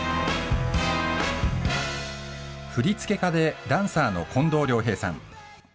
振付家でダンサーの近藤良平さん。